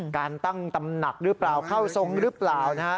การตั้งตำหนักหรือเปล่าเข้าทรงหรือเปล่านะฮะ